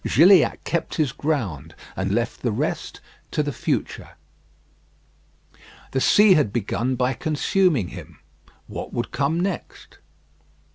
Gilliatt kept his ground, and left the rest to the future. The sea had begun by consuming him; what would come next?